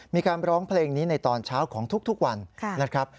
มีการร้องเพลงนี้ในตอนเช้าของทุกวันนะครับ